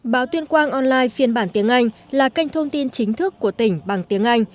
báo tuyên quang online phiên bản tiếng anh là kênh thông tin chính thức của tỉnh bằng tiếng anh